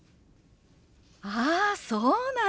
ああそうなの。